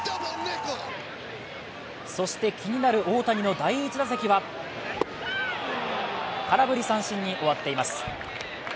そして気にある大谷の第１打席は空振り三振に終わっています。